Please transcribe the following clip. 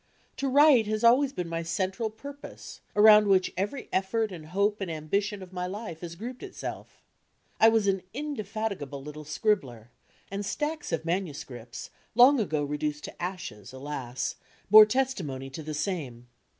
To write has always been my central purpose around which every effort and hope and ambition of my life has grouped itself. I was an indefatigable litde scribbler, and stacks of manuscripts, long ago reduced to ashes, alas, bore testimony to the same.